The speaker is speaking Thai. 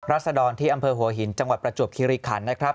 ศดรที่อำเภอหัวหินจังหวัดประจวบคิริขันนะครับ